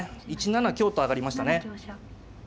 １七香と上がりましたね。